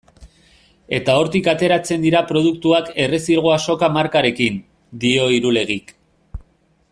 Eta hortik ateratzen dira produktuak Errezilgo Azoka markarekin, dio Irulegik.